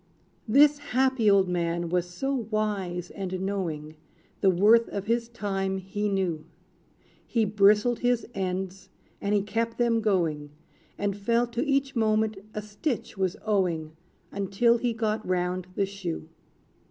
This happy old man was so wise and knowing, The worth of his time he knew. He bristled his ends, and he kept them going; And felt to each moment a stitch was owing, Until he got round the shoe.